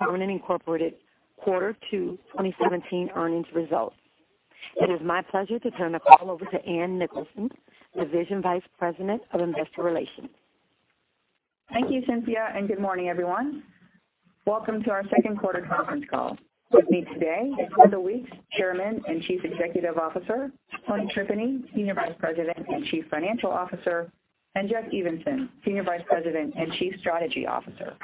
Welcome to the Corning Incorporated Q2 2017 earnings results. It is my pleasure to turn the call over to Ann Nicholson, Division Vice President of Investor Relations. Thank you, Cynthia, and good morning, everyone. Welcome to our second quarter conference call. With me today is Wendell Weeks, Chairman and Chief Executive Officer, Tony Tripeny, Senior Vice President and Chief Financial Officer, and Jeff Evenson, Senior Vice President and Chief Strategy Officer.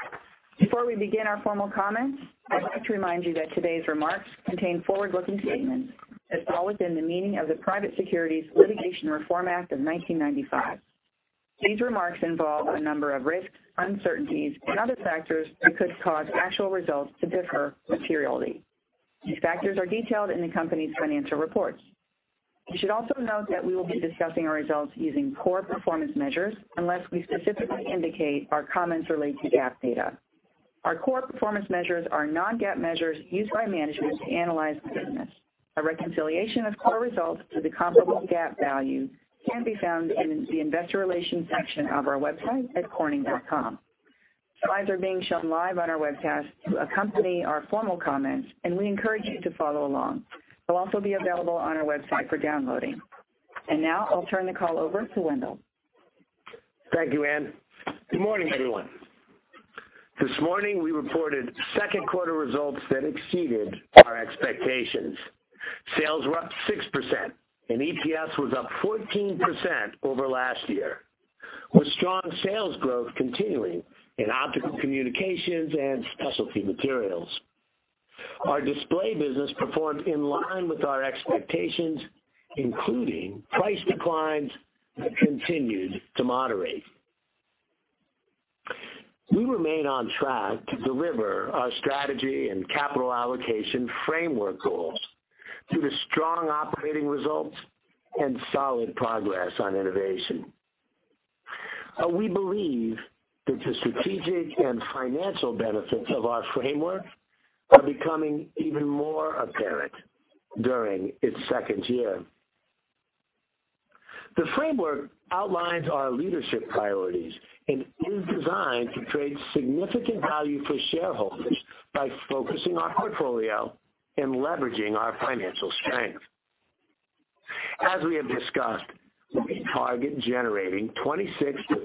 Before we begin our formal comments, I'd like to remind you that today's remarks contain forward-looking statements as well within the meaning of the Private Securities Litigation Reform Act of 1995. These remarks involve a number of risks, uncertainties and other factors that could cause actual results to differ materially. These factors are detailed in the company's financial reports. You should also note that we will be discussing our results using core performance measures unless we specifically indicate our comments relate to GAAP data. Our core performance measures are non-GAAP measures used by management to analyze the business. A reconciliation of core results to the comparable GAAP value can be found in the investor relations section of our website at corning.com. Slides are being shown live on our webcast to accompany our formal comments. We encourage you to follow along. They'll also be available on our website for downloading. Now I'll turn the call over to Wendell. Thank you, Ann. Good morning, everyone. This morning, we reported second quarter results that exceeded our expectations. Sales were up 6%, and EPS was up 14% over last year, with strong sales growth continuing in Optical Communications and Specialty Materials. Our display business performed in line with our expectations, including price declines that continued to moderate. We remain on track to deliver our strategy and capital allocation framework goals through the strong operating results and solid progress on innovation. We believe that the strategic and financial benefits of our framework are becoming even more apparent during its second year. The framework outlines our leadership priorities and is designed to create significant value for shareholders by focusing our portfolio and leveraging our financial strength. As we have discussed, we target generating $26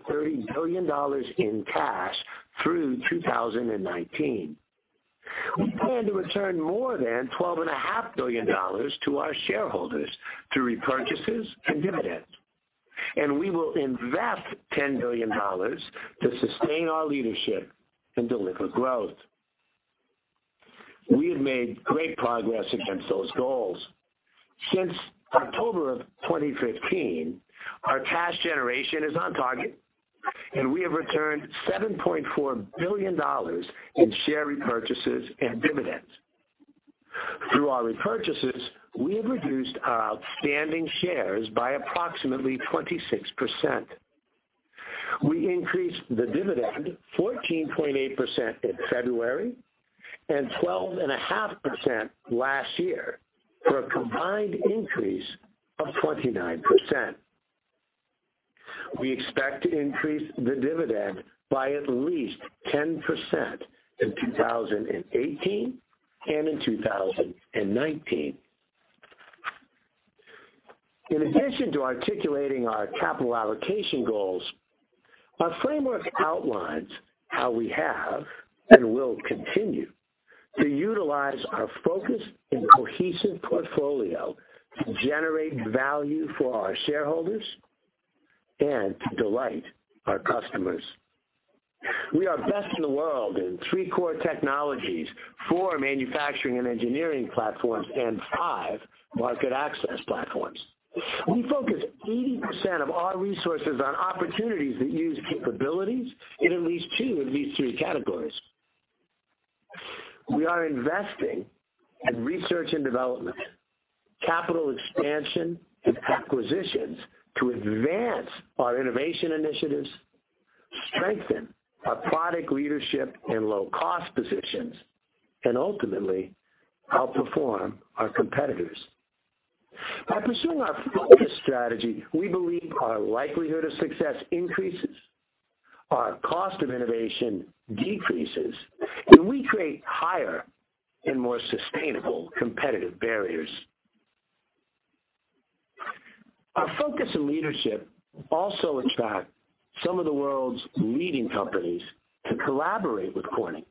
billion-$30 billion in cash through 2019. We plan to return more than $12.5 billion to our shareholders through repurchases and dividends, and we will invest $10 billion to sustain our leadership and deliver growth. We have made great progress against those goals. Since October of 2015, our cash generation is on target, and we have returned $7.4 billion in share repurchases and dividends. Through our repurchases, we have reduced our outstanding shares by approximately 26%. We increased the dividend 14.8% in February and 12.5% last year for a combined increase of 29%. We expect to increase the dividend by at least 10% in 2018 and in 2019. In addition to articulating our capital allocation goals, our framework outlines how we have and will continue to utilize our focused and cohesive portfolio to generate value for our shareholders and to delight our customers. We are best in the world in 3 core technologies, 4 manufacturing and engineering platforms, and 5 market access platforms. We focus 80% of our resources on opportunities that use capabilities in at least two of these three categories. We are investing in research and development, capital expansion, and acquisitions to advance our innovation initiatives, strengthen our product leadership and low-cost positions, and ultimately outperform our competitors. By pursuing our focus strategy, we believe our likelihood of success increases, our cost of innovation decreases, and we create higher and more sustainable competitive barriers. Our focus and leadership also attract some of the world's leading companies to collaborate with Corning,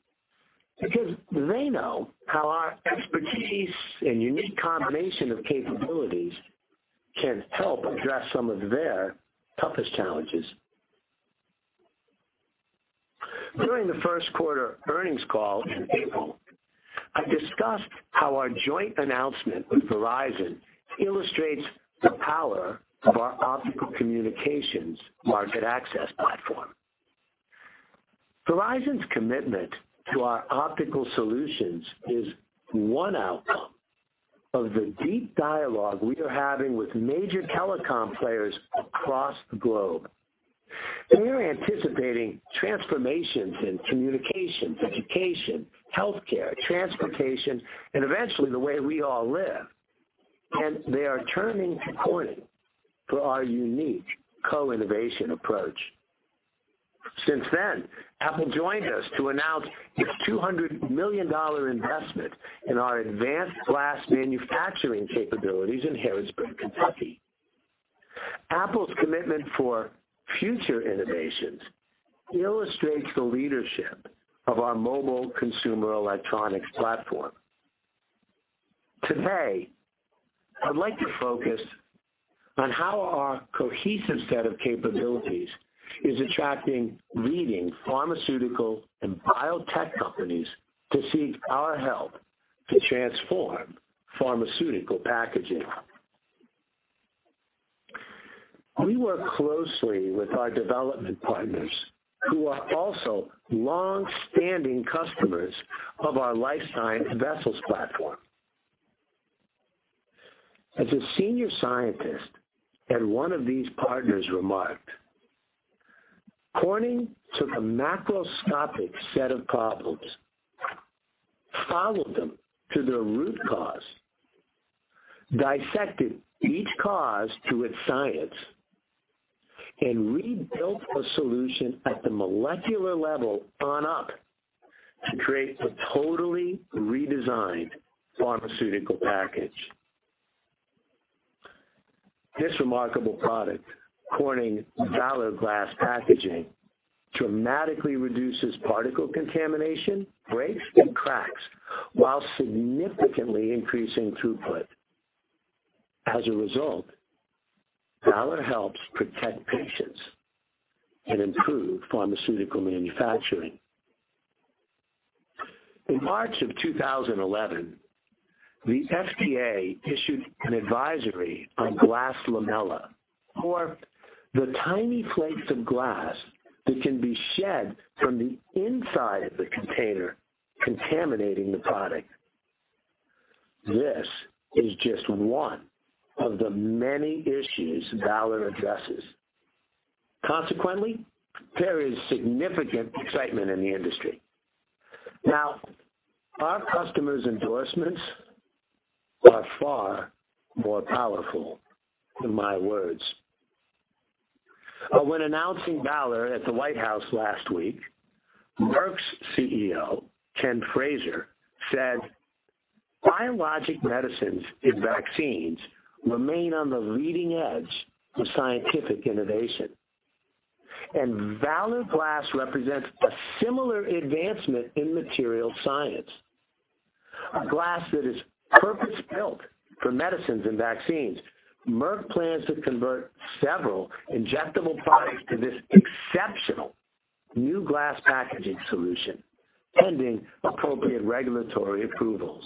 because they know how our expertise and unique combination of capabilities can help address some of their toughest challenges. During the first quarter earnings call in April, I discussed how our joint announcement with Verizon illustrates the power of our Optical Communications market access platform. Verizon's commitment to our optical solutions is one outcome of the deep dialogue we are having with major telecom players across the globe, and we are anticipating transformations in communications, education, healthcare, transportation, and eventually the way we all live. They are turning to Corning for our unique co-innovation approach. Since then, Apple joined us to announce its $200 million investment in our advanced glass manufacturing capabilities in Harrodsburg, Kentucky. Apple's commitment for future innovations illustrates the leadership of our mobile consumer electronics platform. Today, I'd like to focus on how our cohesive set of capabilities is attracting leading pharmaceutical and biotech companies to seek our help to transform pharmaceutical packaging. We work closely with our development partners, who are also longstanding customers of our Life Sciences Vessels platform. As a senior scientist at one of these partners remarked, "Corning took a macroscopic set of problems, followed them to their root cause, dissected each cause to its science, and rebuilt a solution at the molecular level on up to create a totally redesigned pharmaceutical package." This remarkable product, Corning Valor Glass Packaging, dramatically reduces particle contamination, breaks, and cracks while significantly increasing throughput. As a result, Valor helps protect patients and improve pharmaceutical manufacturing. In March of 2011, the FDA issued an advisory on glass lamellae, or the tiny flakes of glass that can be shed from the inside of the container, contaminating the product. This is just one of the many issues Valor addresses. Consequently, there is significant excitement in the industry. Our customers' endorsements are far more powerful than my words. When announcing Valor at the White House last week, Merck's CEO, Ken Frazier, said, "Biologic medicines and vaccines remain on the leading edge of scientific innovation, and Valor Glass represents a similar advancement in material science. A glass that is purpose-built for medicines and vaccines. Merck plans to convert several injectable products to this exceptional new glass packaging solution, pending appropriate regulatory approvals."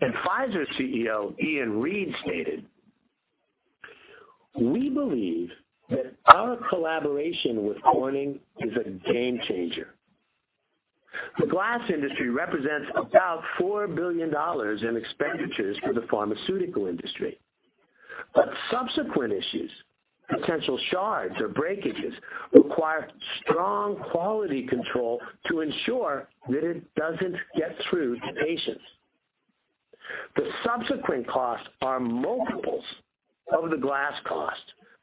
Pfizer's CEO, Ian Read, stated, "We believe that our collaboration with Corning is a game changer. The glass industry represents about $4 billion in expenditures for the pharmaceutical industry, but subsequent issues, potential shards or breakages, require strong quality control to ensure that it doesn't get through to patients. The subsequent costs are multiples of the glass cost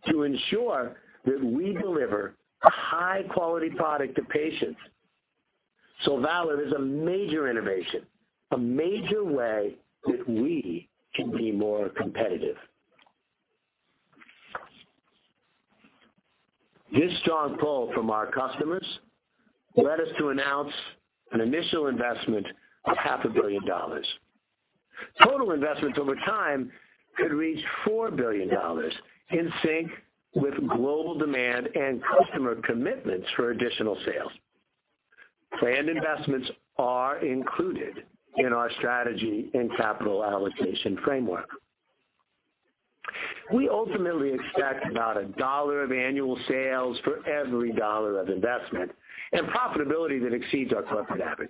to ensure that we deliver a high-quality product to patients. Valor is a major innovation, a major way that we can be more competitive." This strong pull from our customers led us to announce an initial investment of half a billion dollars. Total investments over time could reach $4 billion, in sync with global demand and customer commitments for additional sales. Planned investments are included in our strategy and capital allocation framework. We ultimately expect about a dollar of annual sales for every dollar of investment and profitability that exceeds our corporate average.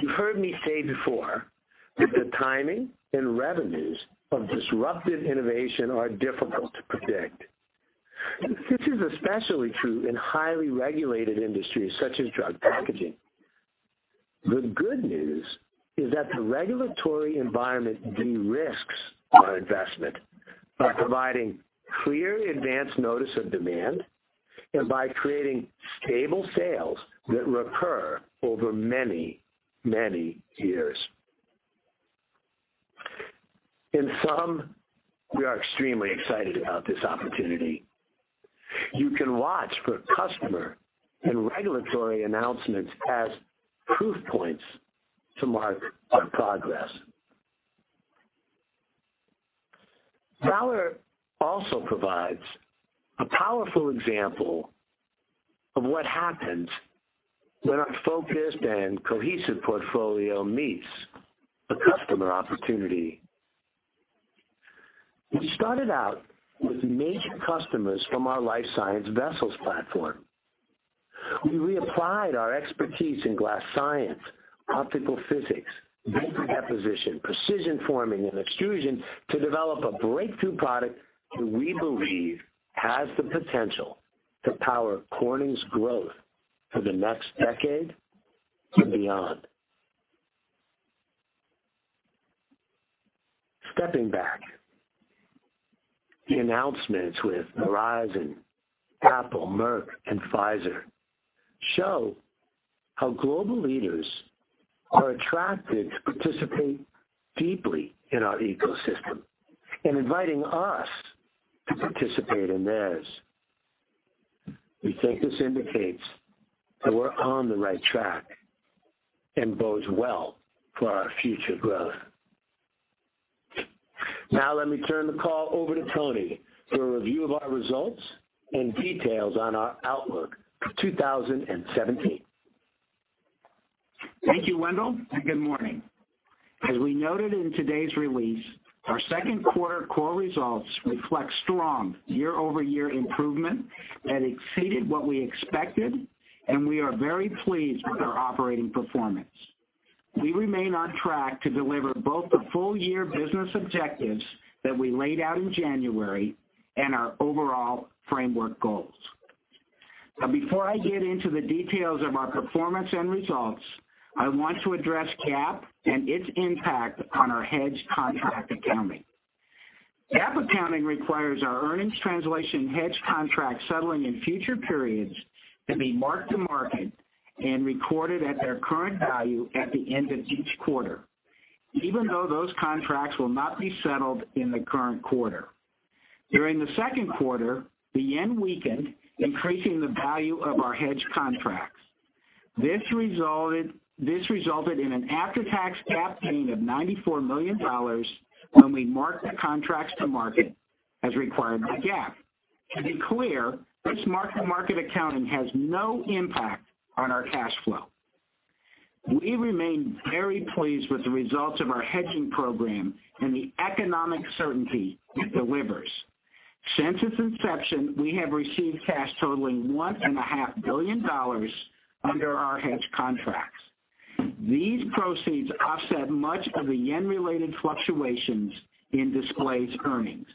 You've heard me say before that the timing and revenues of disruptive innovation are difficult to predict. This is especially true in highly regulated industries such as drug packaging. The good news is that the regulatory environment de-risks our investment by providing clear advance notice of demand and by creating stable sales that recur over many, many years. In sum, we are extremely excited about this opportunity. You can watch for customer and regulatory announcements as proof points to mark our progress. Valor also provides a powerful example of what happens when our focused and cohesive portfolio meets a customer opportunity. We started out with major customers from our Life Sciences Vessels platform. We reapplied our expertise in glass science, optical physics, vapor deposition, precision forming, and extrusion to develop a breakthrough product that we believe has the potential to power Corning's growth for the next decade and beyond. Stepping back, the announcements with Verizon, Apple, Merck, and Pfizer show how global leaders are attracted to participate deeply in our ecosystem and inviting us to participate in theirs. We think this indicates that we're on the right track and bodes well for our future growth. Let me turn the call over to Tony for a review of our results and details on our outlook for 2017. Thank you, Wendell, good morning. As we noted in today's release, our second quarter core results reflect strong year-over-year improvement that exceeded what we expected, and we are very pleased with our operating performance. We remain on track to deliver both the full-year business objectives that we laid out in January and our overall framework goals. Now before I get into the details of our performance and results, I want to address GAAP and its impact on our hedge contract accounting. GAAP accounting requires our earnings translation hedge contract settling in future periods to be mark-to-market and recorded at their current value at the end of each quarter, even though those contracts will not be settled in the current quarter. During the second quarter, the yen weakened, increasing the value of our hedge contracts. This resulted in an after-tax GAAP gain of $94 million when we marked the contracts to market as required by GAAP. To be clear, this mark-to-market accounting has no impact on our cash flow. We remain very pleased with the results of our hedging program and the economic certainty it delivers. Since its inception, we have received cash totaling $1.5 billion under our hedge contracts. These proceeds offset much of the yen-related fluctuations in Display Technologies' earnings.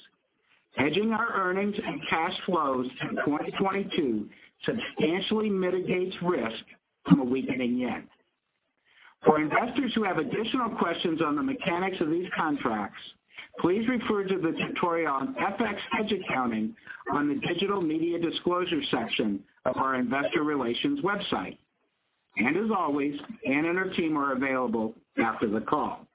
Hedging our earnings and cash flows through 2022 substantially mitigates risk from a weakening yen. For investors who have additional questions on the mechanics of these contracts, please refer to the tutorial on FX hedge accounting on the digital media disclosure section of our investor relations website. As always, Ann and her team are available after the call.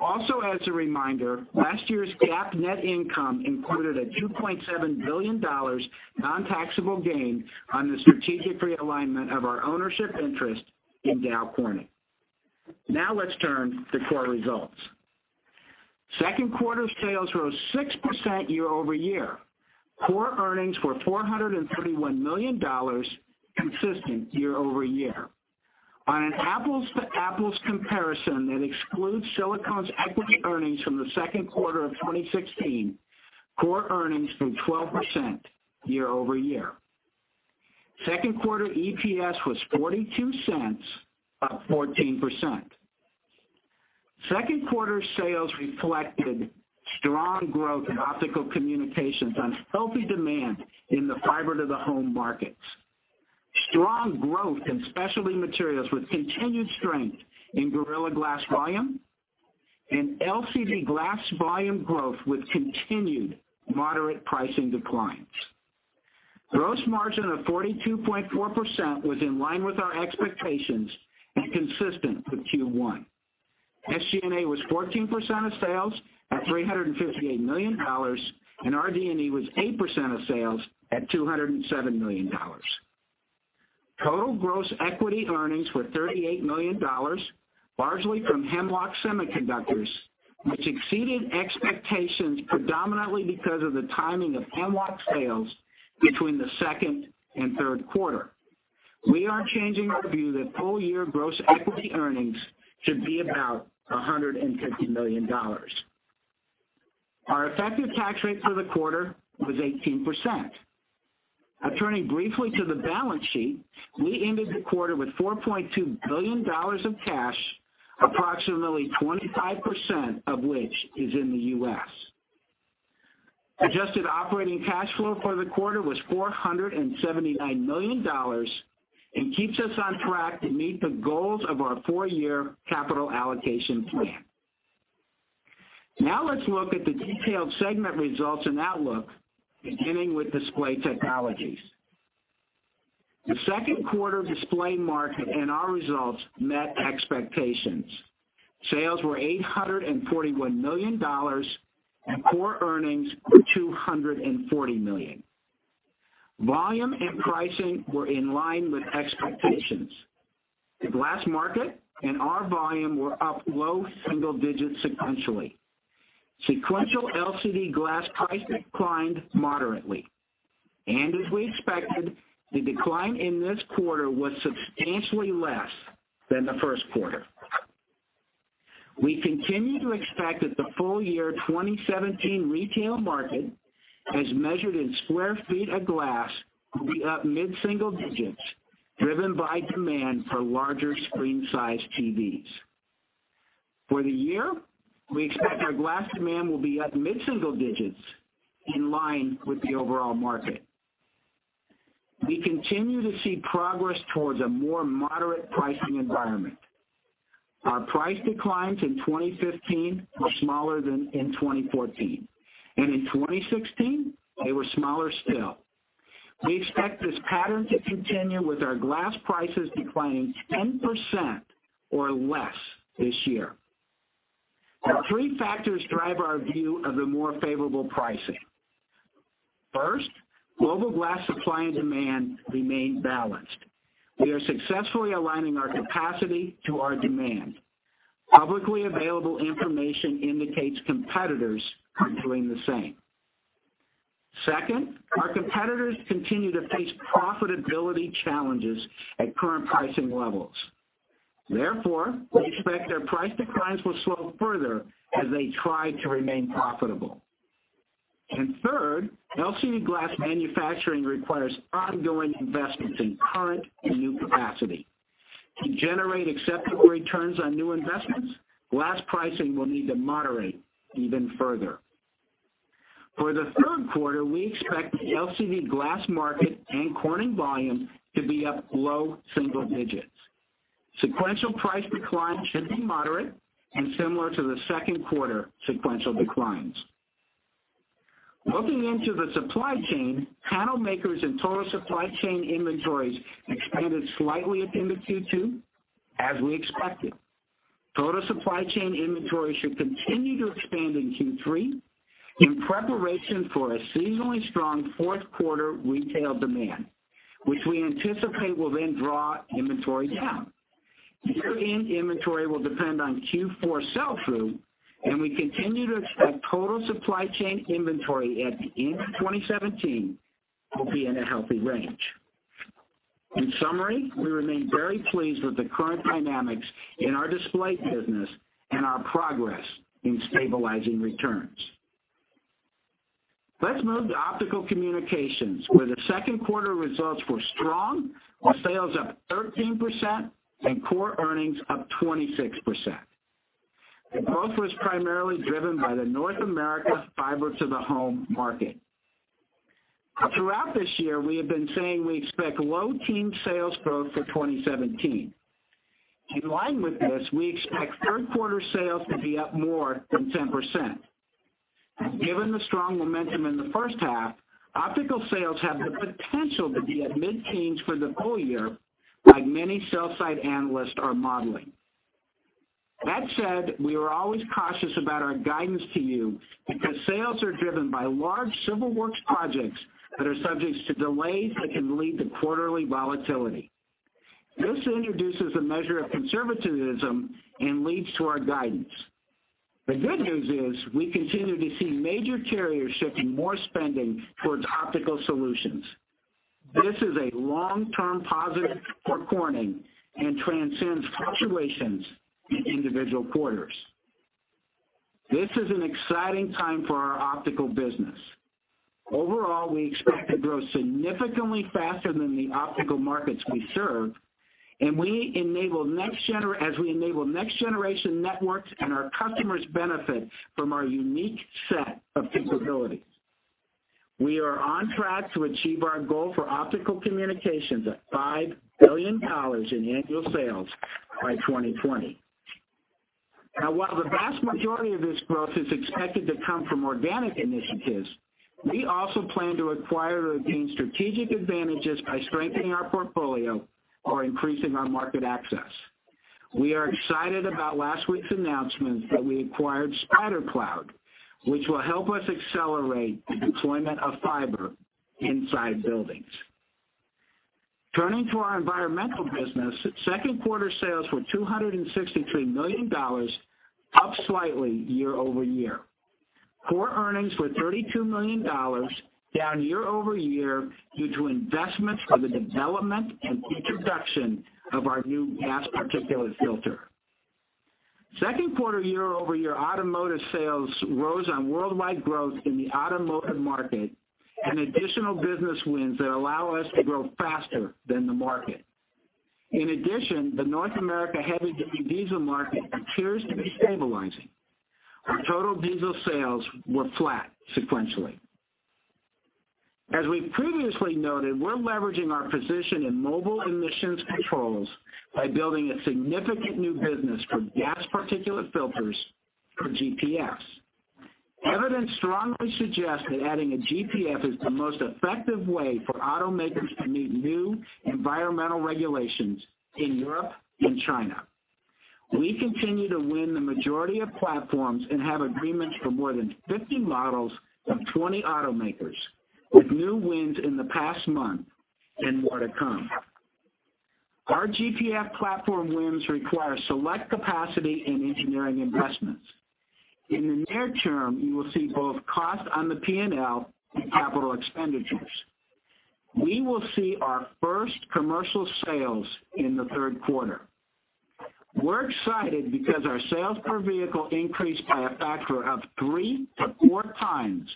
Also, as a reminder, last year's GAAP net income included a $2.7 billion non-taxable gain on the strategic realignment of our ownership interest in Dow Corning. Let's turn to core results. Second quarter sales rose 6% year-over-year. Core earnings were $431 million, consistent year-over-year. On an apples-to-apples comparison that excludes Silicones equity earnings from the second quarter of 2016, core earnings grew 12% year-over-year. Second quarter EPS was $0.42, up 14%. Second quarter sales reflected strong growth in Optical Communications on healthy demand in the fiber-to-the-home markets, strong growth in Specialty Materials with continued strength in Gorilla Glass volume, and LCD glass volume growth with continued moderate pricing declines. Gross margin of 42.4% was in line with our expectations and consistent with Q1. SG&A was 14% of sales at $358 million, and R&D was 8% of sales at $207 million. Total gross equity earnings were $38 million, largely from Hemlock Semiconductor, which exceeded expectations predominantly because of the timing of Hemlock sales between the second and third quarter. We are changing our view that full-year gross equity earnings should be about $150 million. Our effective tax rate for the quarter was 18%. Turning briefly to the balance sheet, we ended the quarter with $4.2 billion of cash, approximately 25% of which is in the U.S. Adjusted operating cash flow for the quarter was $479 million and keeps us on track to meet the goals of our four-year capital allocation plan. Let's look at the detailed segment results and outlook, beginning with Display Technologies. The second quarter display market and our results met expectations. Sales were $841 million, and core earnings were $240 million. Volume and pricing were in line with expectations. The glass market and our volume were up low single digits sequentially. Sequential LCD glass price declined moderately. As we expected, the decline in this quarter was substantially less than the first quarter. We continue to expect that the full-year 2017 retail market, as measured in square feet of glass, will be up mid-single digits, driven by demand for larger screen size TVs. For the year, we expect our glass demand will be up mid-single digits, in line with the overall market. We continue to see progress towards a more moderate pricing environment. Our price declines in 2015 were smaller than in 2014, and in 2016, they were smaller still. We expect this pattern to continue, with our glass prices declining 10% or less this year. Three factors drive our view of the more favorable pricing. First, global glass supply and demand remain balanced. We are successfully aligning our capacity to our demand. Publicly available information indicates competitors are doing the same. Second, our competitors continue to face profitability challenges at current pricing levels. Therefore, we expect their price declines will slow further as they try to remain profitable. Third, LCD glass manufacturing requires ongoing investments in current and new capacity. To generate acceptable returns on new investments, glass pricing will need to moderate even further. For the third quarter, we expect the LCD glass market and Corning volume to be up low single digits. Sequential price declines should be moderate and similar to the second quarter sequential declines. Looking into the supply chain, panel makers and total supply chain inventories expanded slightly at the end of Q2, as we expected. Total supply chain inventory should continue to expand in Q3 in preparation for a seasonally strong fourth quarter retail demand, which we anticipate will then draw inventory down. Year-end inventory will depend on Q4 sell-through, and we continue to expect total supply chain inventory at the end of 2017 will be in a healthy range. In summary, we remain very pleased with the current dynamics in our display business and our progress in stabilizing returns. Let's move to Optical Communications, where the second quarter results were strong, with sales up 13% and core earnings up 26%. The growth was primarily driven by the North America fiber-to-the-home market. Throughout this year, we have been saying we expect low teen sales growth for 2017. In line with this, we expect third quarter sales to be up more than 10%. Given the strong momentum in the first half, optical sales have the potential to be at mid-teens for the full year, like many sell side analysts are modeling. That said, we are always cautious about our guidance to you because sales are driven by large civil works projects that are subject to delays that can lead to quarterly volatility. This introduces a measure of conservatism and leads to our guidance. The good news is we continue to see major carriers shifting more spending towards optical solutions. This is a long-term positive for Corning and transcends fluctuations in individual quarters. This is an exciting time for our optical business. Overall, we expect to grow significantly faster than the optical markets we serve, as we enable next-generation networks and our customers benefit from our unique set of capabilities. We are on track to achieve our goal for Optical Communications at $5 billion in annual sales by 2020. While the vast majority of this growth is expected to come from organic initiatives, we also plan to acquire or gain strategic advantages by strengthening our portfolio or increasing our market access. We are excited about last week's announcement that we acquired SpiderCloud, which will help us accelerate the deployment of fiber inside buildings. Turning to our Environmental Technologies business, second quarter sales were $263 million, up slightly year-over-year. Core earnings were $32 million, down year-over-year due to investments for the development and introduction of our new gasoline particulate filter. Second quarter year-over-year automotive sales rose on worldwide growth in the automotive market and additional business wins that allow us to grow faster than the market. The North America heavy-duty diesel market appears to be stabilizing, where total diesel sales were flat sequentially. As we previously noted, we're leveraging our position in mobile emissions controls by building a significant new business for gasoline particulate filters, or GPFs. Evidence strongly suggests that adding a GPF is the most effective way for automakers to meet new environmental regulations in Europe and China. We continue to win the majority of platforms and have agreements for more than 50 models from 20 automakers, with new wins in the past month and more to come. Our GPF platform wins require select capacity and engineering investments. In the near term, you will see both costs on the P&L and capital expenditures. We will see our first commercial sales in the third quarter. We're excited because our sales per vehicle increased by a factor of three to four times,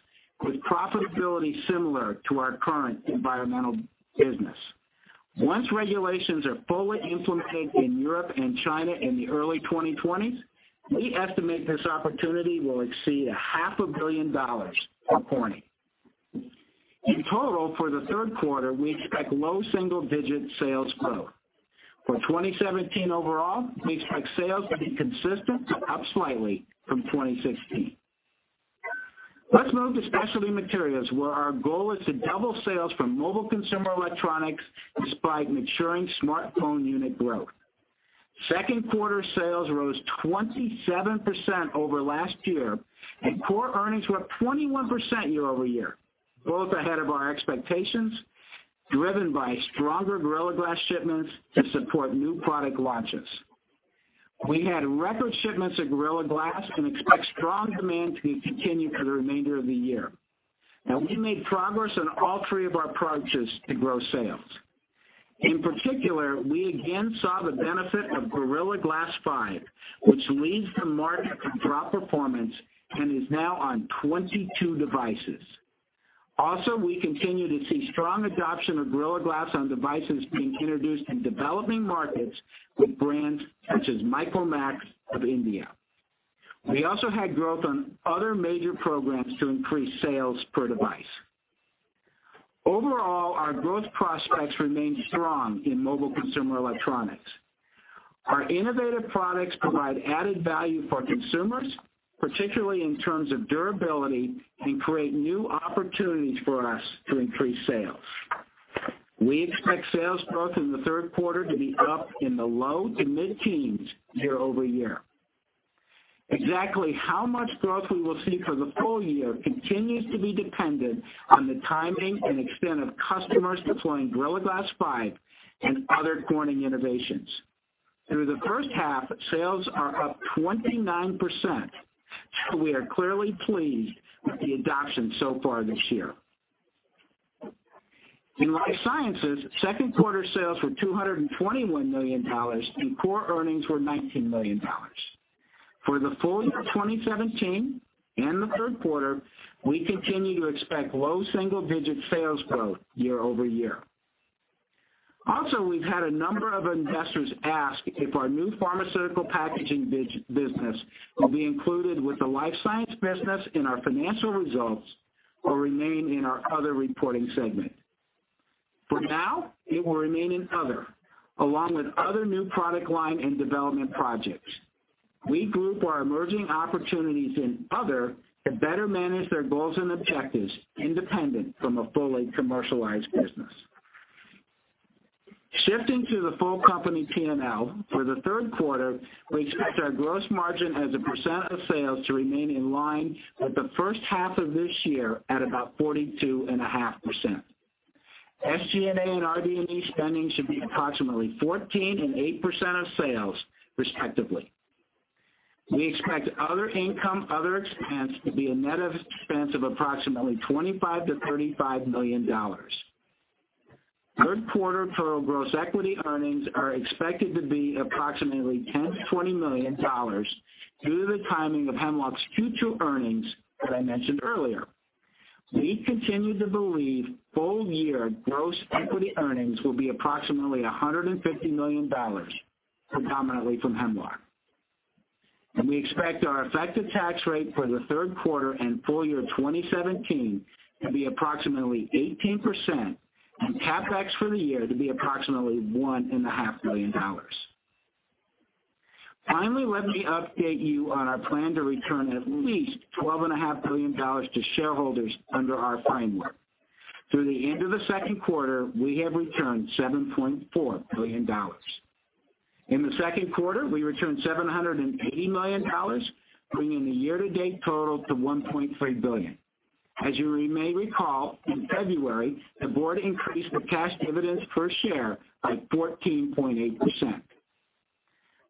with profitability similar to our current Environmental Technologies business. Once regulations are fully implemented in Europe and China in the early 2020s, we estimate this opportunity will exceed a half a billion dollars for Corning. In total, for the third quarter, we expect low single-digit sales growth. For 2017 overall, we expect sales to be consistent to up slightly from 2016. Let's move to Specialty Materials, where our goal is to double sales from mobile consumer electronics despite maturing smartphone unit growth. Second quarter sales rose 27% over last year, and core earnings were up 21% year-over-year, both ahead of our expectations, driven by stronger Gorilla Glass shipments to support new product launches. We had record shipments of Gorilla Glass and expect strong demand to continue for the remainder of the year. We made progress on all three of our approaches to grow sales. In particular, we again saw the benefit of Corning Gorilla Glass 5, which leads the market in drop performance and is now on 22 devices. We continue to see strong adoption of Gorilla Glass on devices being introduced in developing markets with brands such as Micromax of India. We also had growth on other major programs to increase sales per device. Overall, our growth prospects remain strong in mobile consumer electronics. Our innovative products provide added value for consumers, particularly in terms of durability, and create new opportunities for us to increase sales. We expect sales growth in the third quarter to be up in the low-to-mid-teens year-over-year. Exactly how much growth we will see for the full year continues to be dependent on the timing and extent of customers deploying Corning Gorilla Glass 5 and other Corning innovations. Through the first half, sales are up 29%. We are clearly pleased with the adoption so far this year. In Life Sciences, second quarter sales were $221 million, and core earnings were $19 million. For the full year 2017 and the third quarter, we continue to expect low single-digit sales growth year-over-year. We've had a number of investors ask if our new pharmaceutical packaging business will be included with the Life Sciences business in our financial results or remain in our Other reporting segment. For now, it will remain in Other, along with other new product line and development projects. We group our emerging opportunities in Other to better manage their goals and objectives, independent from a fully commercialized business. Shifting to the full company P&L for the third quarter, we expect our gross margin as a percent of sales to remain in line with the first half of this year at about 42.5%. SG&A and R&D spending should be approximately 14% and 8% of sales respectively. We expect Other Income, Other Expense to be a net expense of approximately $25 million-$35 million. Third quarter total gross equity earnings are expected to be approximately $10 million-$20 million due to the timing of Hemlock's future earnings that I mentioned earlier. We continue to believe full year gross equity earnings will be approximately $150 million, predominantly from Hemlock. We expect our effective tax rate for the third quarter and full year 2017 to be approximately 18% and CapEx for the year to be approximately $1.5 billion. Finally, let me update you on our plan to return at least $12.5 billion to shareholders under our framework. Through the end of the second quarter, we have returned $7.4 billion. In the second quarter, we returned $780 million, bringing the year-to-date total to $1.3 billion. As you may recall, in February, the board increased the cash dividends per share by 14.8%.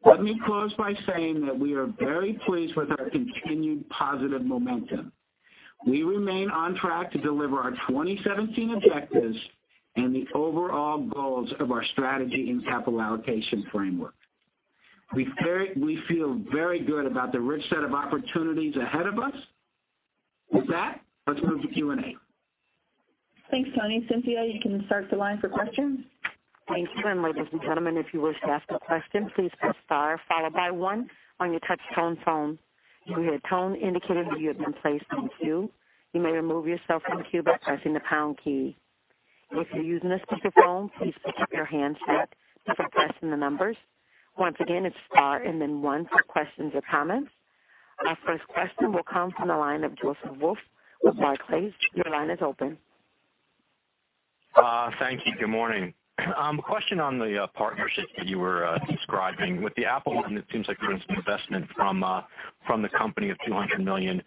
Let me close by saying that we are very pleased with our continued positive momentum. We remain on track to deliver our 2017 objectives and the overall goals of our strategy and capital allocation framework. We feel very good about the rich set of opportunities ahead of us. With that, let's move to Q&A. Thanks, Tony. Cynthia, you can start the line for questions. Thank you. Ladies and gentlemen, if you wish to ask a question, please press star followed by one on your touch tone phone. You will hear a tone indicating that you have been placed in queue. You may remove yourself from queue by pressing the pound key. If you're using a speakerphone, please pick up your handset before pressing the numbers. Once again, it's star and then one for questions or comments. Our first question will come from the line of Joseph Wolf with Barclays. Your line is open. Thank you. Good morning. A question on the partnership that you were describing. With the Apple one, it seems like there was some investment from the company of $200 million.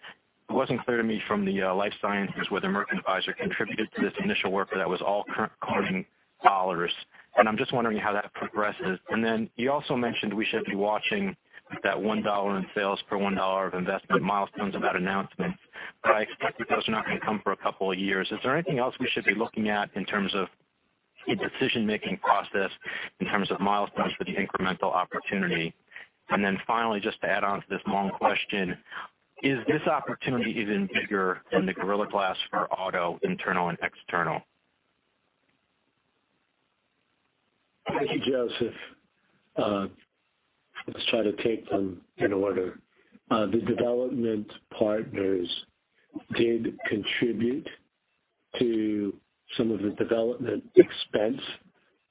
It wasn't clear to me from the Life Sciences whether Merck and Pfizer contributed to this initial work, or that was all Corning dollars. I'm just wondering how that progresses. You also mentioned we should be watching that $1 in sales per $1 of investment milestones of that announcement, but I expect those are not going to come for a couple of years. Is there anything else we should be looking at in terms of a decision-making process in terms of milestones for the incremental opportunity. Finally, just to add on to this long question, is this opportunity even bigger than the Gorilla Glass for auto, internal and external? Thank you, Joseph. Let's try to take them in order. The development partners did contribute to some of the development expense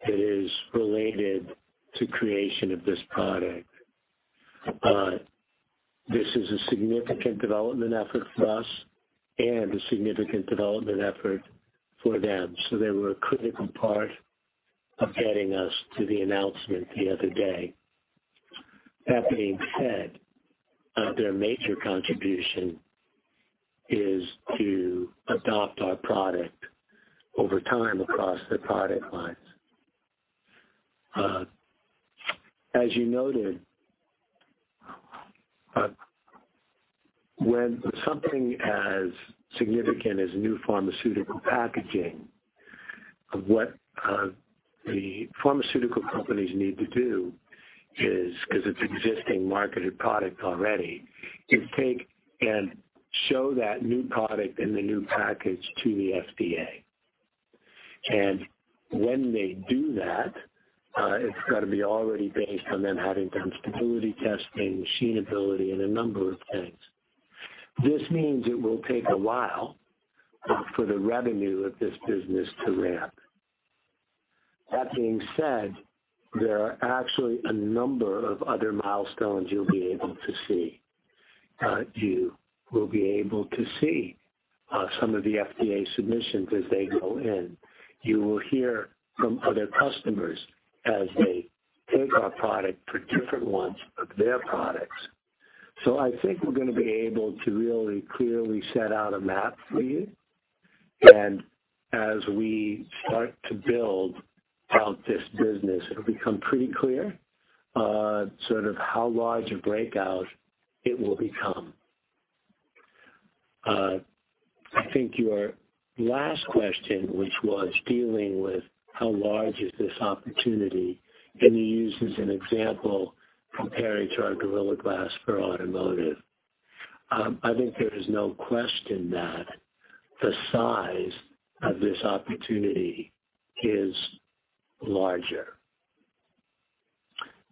that is related to creation of this product. This is a significant development effort for us and a significant development effort for them. They were a critical part of getting us to the announcement the other day. That being said, their major contribution is to adopt our product over time across their product lines. As you noted, when something as significant as new pharmaceutical packaging, what the pharmaceutical companies need to do is, because it's existing marketed product already, is take and show that new product and the new package to the FDA. When they do that, it's got to be already based on them having done stability testing, machinability and a number of things. This means it will take a while for the revenue of this business to ramp. That being said, there are actually a number of other milestones you'll be able to see. You will be able to see some of the FDA submissions as they go in. You will hear from other customers as they take our product for different ones of their products. I think we're going to be able to really clearly set out a map for you, and as we start to build out this business, it'll become pretty clear sort of how large a breakout it will become. I think your last question, which was dealing with how large is this opportunity, and you use as an example comparing to our Gorilla Glass for automotive. I think there is no question that the size of this opportunity is larger.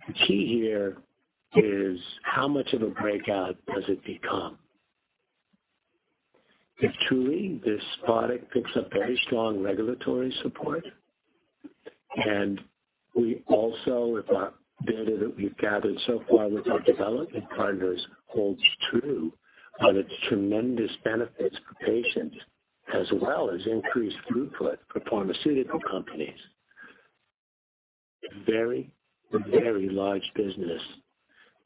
The key here is how much of a breakout does it become? If truly this product picks up very strong regulatory support, and we also, if our data that we've gathered so far with our development partners holds true on its tremendous benefits for patients, as well as increased throughput for pharmaceutical companies. A very, very large business.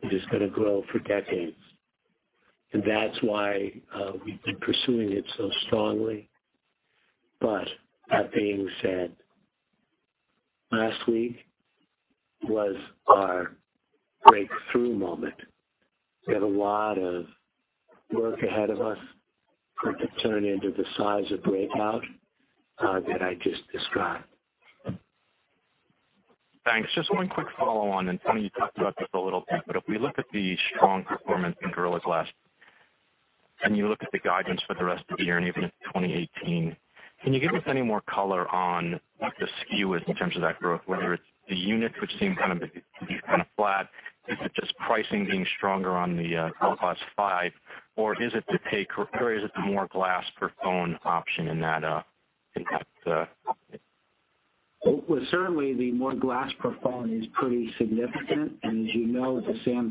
It is going to grow for decades. That's why we've been pursuing it so strongly. That being said, last week was our breakthrough moment. We have a lot of work ahead of us for it to turn into the size of breakout that I just described. Thanks. Just one quick follow-on, Tony, you talked about this a little bit, if we look at the strong performance in Gorilla Glass, you look at the guidance for the rest of the year and even into 2018, can you give us any more color on what the skew is in terms of that growth, whether it's the units which seem kind of flat, is it just pricing being stronger on the Gorilla Glass 5 or is it the more glass per phone option in that impact? Well, certainly the more glass per phone is pretty significant. As you know,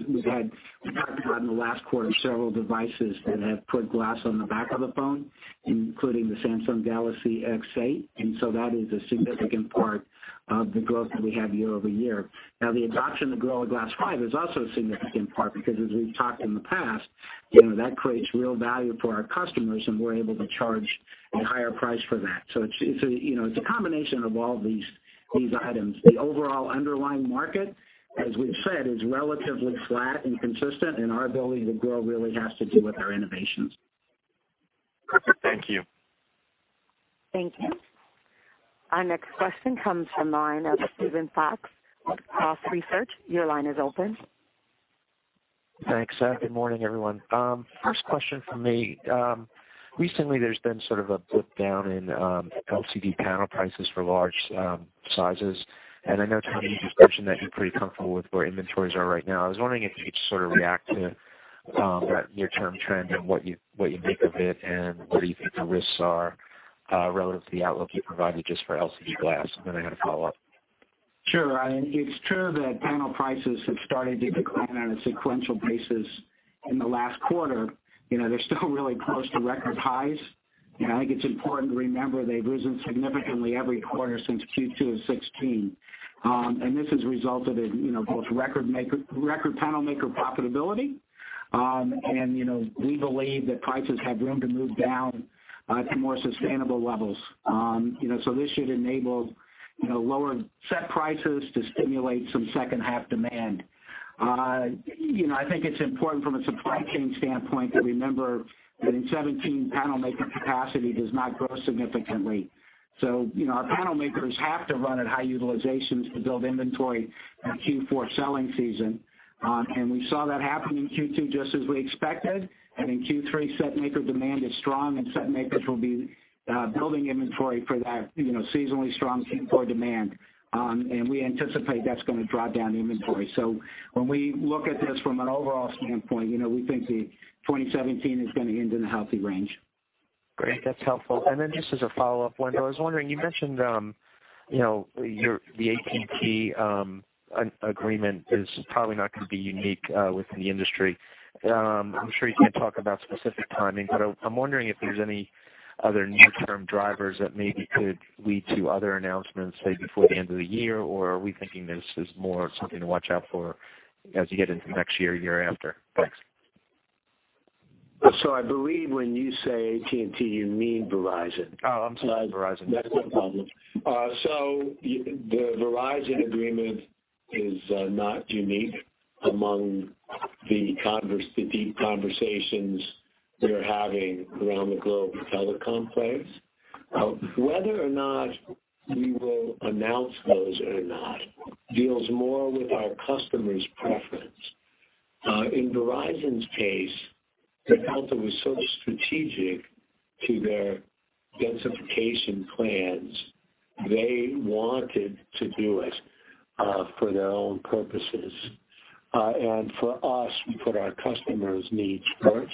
we've had in the last quarter several devices that have put glass on the back of the phone, including the Samsung Galaxy S8. That is a significant part of the growth that we have year-over-year. Now, the adoption of Gorilla Glass 5 is also a significant part because as we've talked in the past, that creates real value for our customers, and we're able to charge a higher price for that. It's a combination of all these items. The overall underlying market, as we've said, is relatively flat and consistent, our ability to grow really has to do with our innovations. Thank you. Thank you. Our next question comes from the line of Steven Fox, Cross Research. Your line is open. Thanks. Good morning, everyone. First question from me. Recently, there's been sort of a blip down in LCD panel prices for large sizes. I know, Tony, you've mentioned that you're pretty comfortable with where inventories are right now. I was wondering if you could sort of react to that near-term trend and what you think of it and what do you think the risks are relative to the outlook you provided just for LCD glass? Then I got a follow-up. Sure. It's true that panel prices have started to decline on a sequential basis in the last quarter. They're still really close to record highs, and I think it's important to remember they've risen significantly every quarter since Q2 2016. This has resulted in both record panel maker profitability, and we believe that prices have room to move down to more sustainable levels. This should enable lower set prices to stimulate some second half demand. I think it's important from a supply chain standpoint to remember that in 2017, panel maker capacity does not grow significantly. Our panel makers have to run at high utilizations to build inventory in Q4 selling season. We saw that happen in Q2 just as we expected. In Q3, set maker demand is strong, and set makers will be building inventory for that seasonally strong Q4 demand. We anticipate that's going to draw down inventory. When we look at this from an overall standpoint, we think the 2017 is going to end in a healthy range. Great. That's helpful. Just as a follow-up, Wendell, I was wondering, you mentioned the AT&T agreement is probably not going to be unique within the industry. I'm sure you can't talk about specific timing, but I'm wondering if there's any other near-term drivers that maybe could lead to other announcements, say, before the end of the year, or are we thinking this is more something to watch out for as we get into next year after? Thanks. I believe when you say AT&T, you mean Verizon. Oh, I'm sorry. Verizon. That's not a problem. The Verizon agreement is not unique among the deep conversations we're having around the globe with telecom players. Whether or not we will announce those or not deals more with our customer's preference. In Verizon's case, the outcome was so strategic to their densification plans, they wanted to do it for their own purposes. For us, we put our customers' needs first.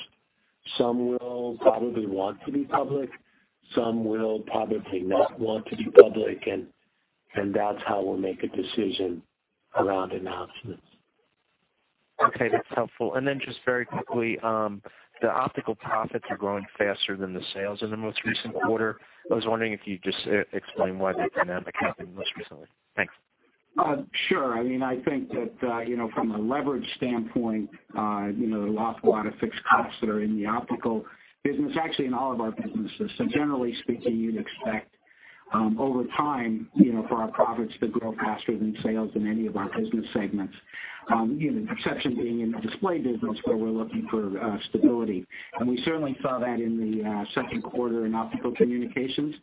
Some will probably want to be public, some will probably not want to be public, and that's how we'll make a decision around announcements. Okay, that's helpful. Just very quickly, the Optical Communications profits are growing faster than the sales in the most recent quarter. I was wondering if you'd just explain why the dynamic happened most recently. Thanks. Sure. I think that from a leverage standpoint, there are lots of fixed costs that are in the Optical Communications business, actually in all of our businesses. Generally speaking, you'd expect, over time, for our profits to grow faster than sales in any of our business segments. The exception being in the Display Technologies business, where we're looking for stability. We certainly saw that in the second quarter in Optical Communications.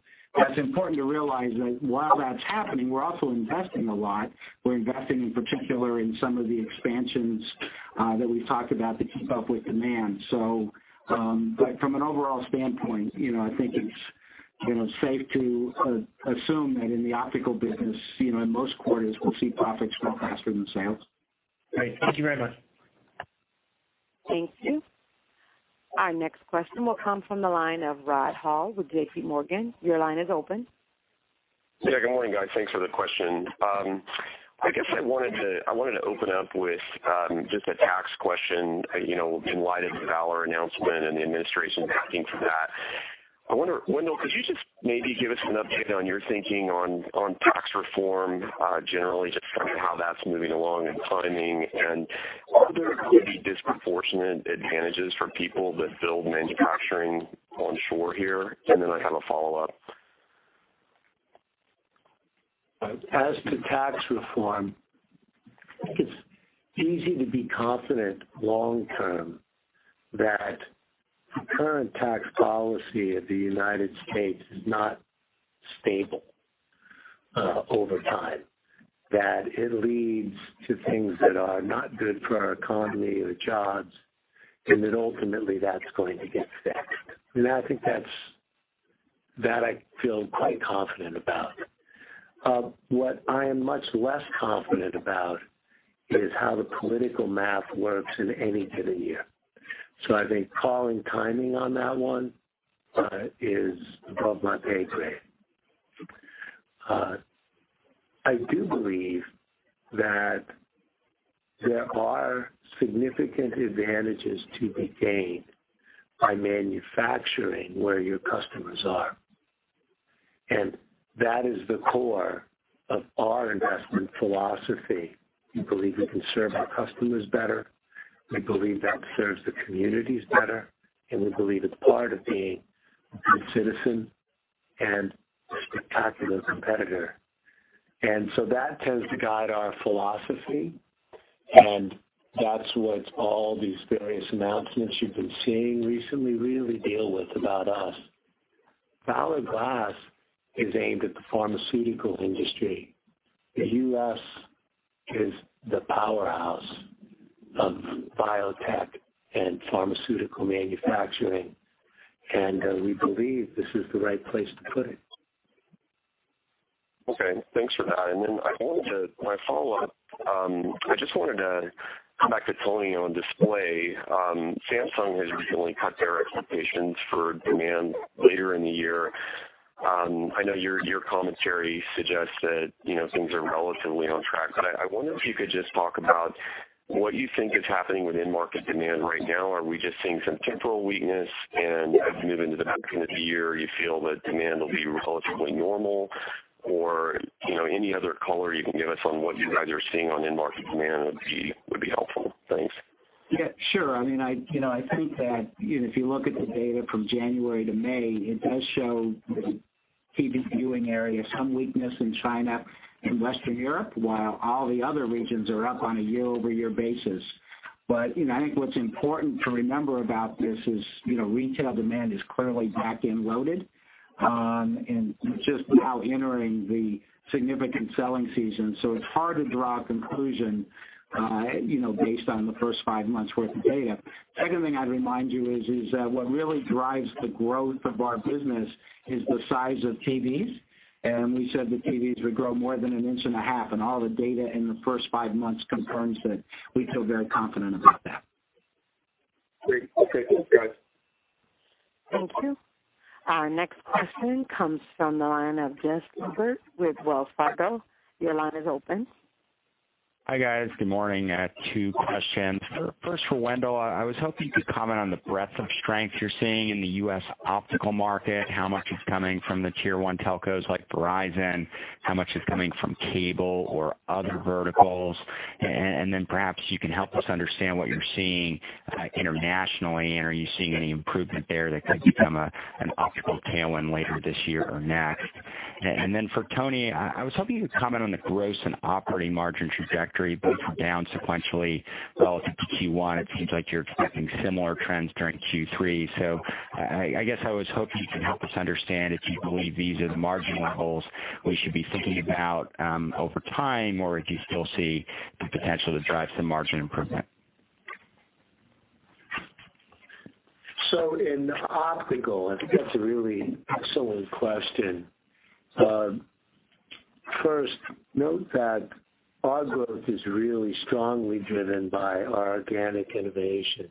It's important to realize that while that's happening, we're also investing a lot. We're investing in particular in some of the expansions that we've talked about to keep up with demand. From an overall standpoint, I think it's safe to assume that in the Optical Communications business, in most quarters, we'll see profits grow faster than sales. Great. Thank you very much. Thank you. Our next question will come from the line of Rod Hall with JPMorgan. Your line is open. Yeah, good morning, guys. Thanks for the question. I guess I wanted to open up with just a tax question, in light of the Valor announcement and the administration backing for that. I wonder, Wendell, could you just maybe give us an update on your thinking on tax reform, generally, just how that's moving along and timing, are there going to be disproportionate advantages for people that build manufacturing onshore here? Then I have a follow-up. As to tax reform, it's easy to be confident long term that the current tax policy of the U.S. is not stable over time, that it leads to things that are not good for our economy or jobs, that ultimately that's going to get fixed. I think that I feel quite confident about. What I am much less confident about is how the political math works in any given year. I think calling timing on that one is above my pay grade. I do believe that there are significant advantages to be gained by manufacturing where your customers are, that is the core of our investment philosophy. We believe we can serve our customers better, we believe that serves the communities better, and we believe it's part of being a good citizen and a spectacular competitor. That tends to guide our philosophy, and that's what all these various announcements you've been seeing recently really deal with about us. Valor Glass is aimed at the pharmaceutical industry. The U.S. is the powerhouse of biotech and pharmaceutical manufacturing, we believe this is the right place to put it. Okay, thanks for that. Then my follow-up, I just wanted to come back to Tony on display. Samsung has recently cut their expectations for demand later in the year. I know your commentary suggests that things are relatively on track, I wonder if you could just talk about what you think is happening with end market demand right now. Are we just seeing some temporal weakness, as we move into the back end of the year, you feel that demand will be relatively normal? Any other color you can give us on what you guys are seeing on end market demand would be helpful. Thanks. Yes, sure. I think that if you look at the data from January to May, it does show TV viewing area. Some weakness in China and Western Europe while all the other regions are up on a year-over-year basis. I think what's important to remember about this is, retail demand is clearly back-end loaded, and just now entering the significant selling season. It's hard to draw a conclusion based on the first five months' worth of data. Second thing I'd remind you is that what really drives the growth of our business is the size of TVs, and we said that TVs would grow more than an inch and a half, and all the data in the first five months confirms that we feel very confident about that. Great. Okay. Thanks, guys. Thank you. Our next question comes from the line of Jess Lubert with Wells Fargo. Your line is open. Hi, guys. Good morning. I have two questions. First, for Wendell, I was hoping you could comment on the breadth of strength you're seeing in the U.S. optical market, how much is coming from the tier 1 telcos like Verizon, how much is coming from cable or other verticals? Perhaps you can help us understand what you're seeing internationally, and are you seeing any improvement there that could become an optical tailwind later this year or next? For Tony, I was hoping you'd comment on the gross and operating margin trajectory both down sequentially relative to Q1. It seems like you're expecting similar trends during Q3. I guess I was hoping you could help us understand if you believe these are the margin levels we should be thinking about over time, or if you still see the potential to drive some margin improvement. In optical, I think that's a really excellent question. First, note that our growth is really strongly driven by our organic innovations.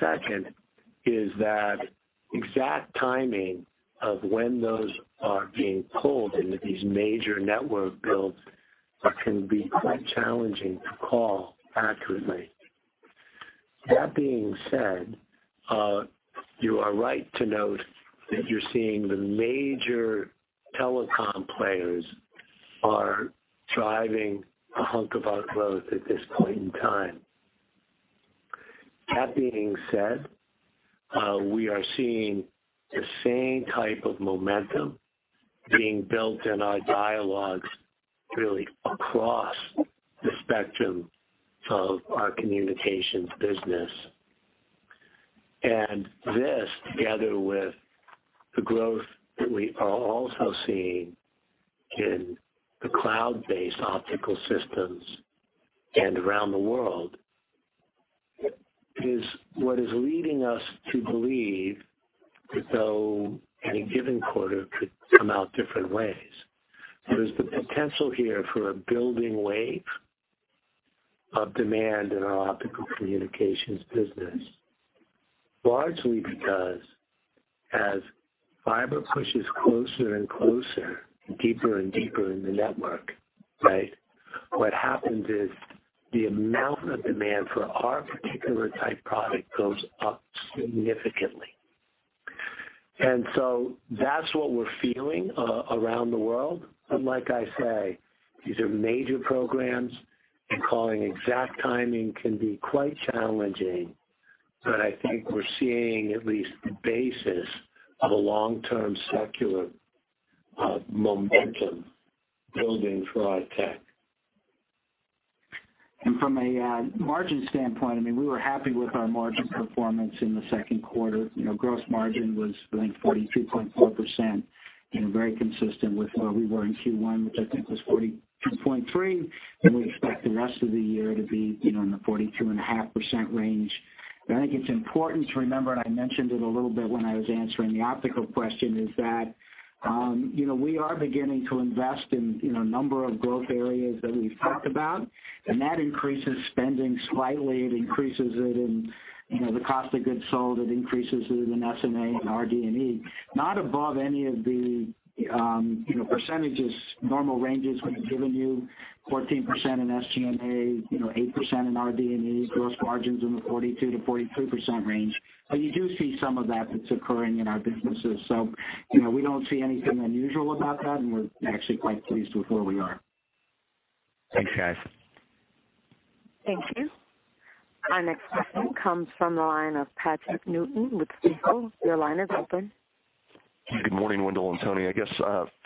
Second is that exact timing of when those are being pulled into these major network builds can be quite challenging to call accurately. That being said, you are right to note that you're seeing the major telecom players are driving a hunk of our growth at this point in time. That being said, we are seeing the same type of momentum being built in our dialogues really across the spectrum of our communications business. This, together with the growth that we are also seeing in the cloud-based optical systems and around the world, is what is leading us to believe that though any given quarter could come out different ways, there's the potential here for a building wave of demand in our Optical Communications business. Largely because as fiber pushes closer and closer and deeper and deeper in the network, right, what happens is the amount of demand for our particular type product goes up significantly. That's what we're feeling around the world. Like I say, these are major programs, and calling exact timing can be quite challenging. I think we're seeing at least the basis of a long-term secular momentum building for our tech. From a margin standpoint, we were happy with our margin performance in the second quarter. Gross margin was, I think, 42.4%, very consistent with where we were in Q1, which I think was 42.3%, and we expect the rest of the year to be in the 42.5% range. I think it's important to remember, and I mentioned it a little bit when I was answering the optical question, is that we are beginning to invest in a number of growth areas that we've talked about, that increases spending slightly. It increases it in the cost of goods sold, it increases it in SG&A and RD&E. Not above any of the percentages, normal ranges we've given you, 14% in SG&A, 8% in RD&E, gross margins in the 42%-43% range. You do see some of that that's occurring in our businesses. We don't see anything unusual about that, we're actually quite pleased with where we are. Thanks, guys. Thank you. Our next question comes from the line of Patrick Newton with Stifel. Your line is open. Good morning, Wendell and Tony. I guess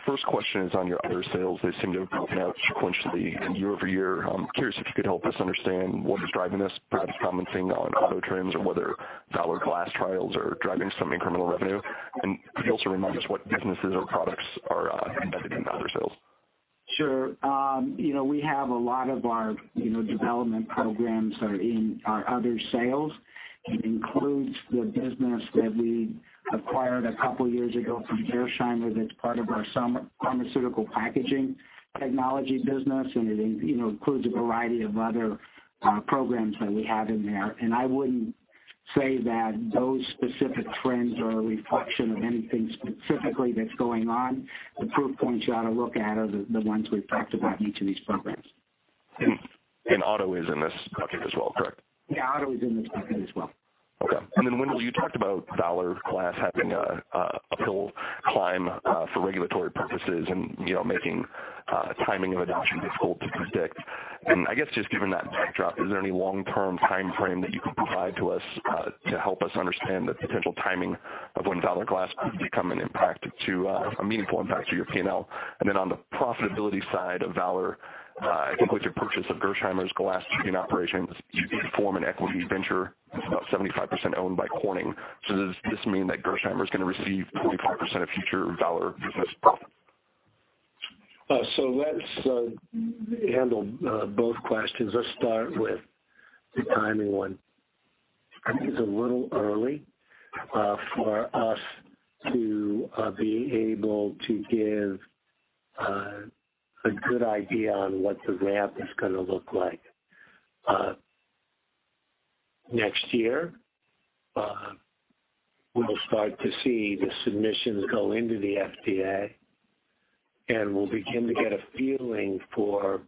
first question is on your other sales. They seem to have developed sequentially and year-over-year. I'm curious if you could help us understand what is driving this, perhaps commenting on auto trends or whether Valor Glass trials are driving some incremental revenue. Could you also remind us what businesses or products are embedded in other sales? Sure. We have a lot of our development programs are in our other sales. It includes the business that we acquired a couple years ago from Gerresheimer, that's part of our pharmaceutical packaging technology business. It includes a variety of other programs that we have in there. I wouldn't say that those specific trends are a reflection of anything specifically that's going on. The proof points you ought to look at are the ones we've talked about in each of these programs. auto is in this bucket as well, correct? Yeah, auto is in this bucket as well. Okay. Wendell, you talked about Valor Glass having an uphill climb for regulatory purposes and making timing of adoption is difficult to predict. I guess just given that backdrop, is there any long-term timeframe that you can provide to us to help us understand the potential timing of when Valor Glass could become a meaningful impact to your P&L? On the profitability side of Valor, I think with your purchase of Gerresheimer's glass tubing operations, you form an equity venture that's about 75% owned by Corning. Does this mean that Gerresheimer is going to receive 45% of future Valor business profit? Let's handle both questions. Let's start with the timing one. I think it's a little early for us to be able to give a good idea on what the ramp is going to look like. Next year, we'll start to see the submissions go into the FDA, and we'll begin to get a feeling for